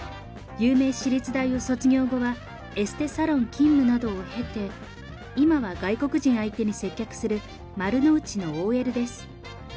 有名私立大を卒業後は、エステサロン勤務などを経て、今は外国人相手に接客する丸の内のＯＬです。